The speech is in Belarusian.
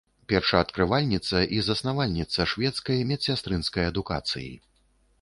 Першаадкрывальніца і заснавальніца шведскай медсястрынскай адукацыі.